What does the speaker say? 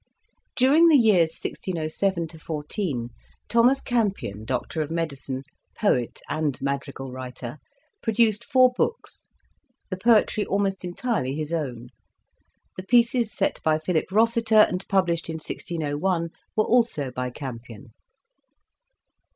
During the years 1607 14, Thomas Campion, Doctor of Medicine, Poet and Madrigal Writer, produced four books, the poetry almost entirely his own ; the pieces set by Philip Rosseter and published in 1601, were also by Campion.